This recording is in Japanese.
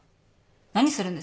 何するんですか。